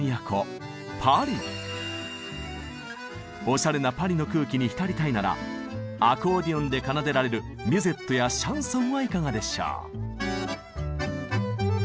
おしゃれなパリの空気に浸りたいならアコーディオンで奏でられるミュゼットやシャンソンはいかがでしょう。